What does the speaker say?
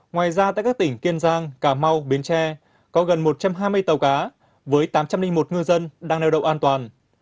ngoài ra tại các tỉnh kiên giang cà mau biến tre có gần một trăm hai mươi tàu cá với tám trăm linh một ngư dân đang neo đậu an toàn